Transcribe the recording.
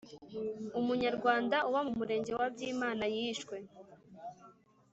umunyarwanda uba mu Murenge wa Byimana yishwe.